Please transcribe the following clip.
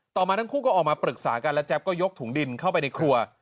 มาทั้งคู่ก็ออกมาปรึกษากันแล้วแจ๊บก็ยกถุงดินเข้าไปในครัว